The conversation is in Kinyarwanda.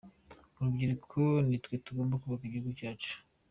Urubyiruko ni twe tugomba kubaka igihugu cyacu.